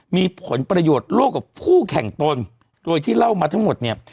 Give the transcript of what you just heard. มีผลประโยชน์โลกกับคู่แข่งตนโดยที่เล่ามาทั้งหมดเนี่ย